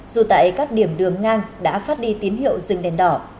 dù tại các điểm đường ngang đã phát đi tín hiệu dừng đèn đỏ